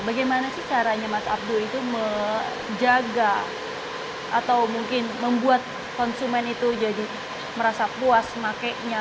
bagaimana sih caranya mas abdul itu menjaga atau mungkin membuat konsumen itu jadi merasa puas pakainya